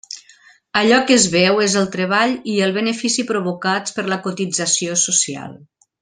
Allò que es veu és el treball i el benefici provocats per la cotització social.